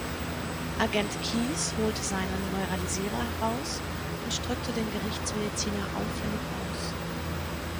Agent Keys holte seinen Neuralisierer heraus und drückte den Gerichtsmediziner auffällig aus.